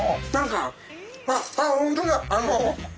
あの。